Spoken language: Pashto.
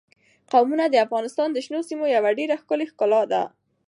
قومونه د افغانستان د شنو سیمو یوه ډېره ښکلې ښکلا ده.